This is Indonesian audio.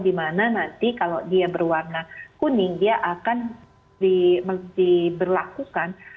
dimana nanti kalau dia berwarna kuning dia akan diberlakukan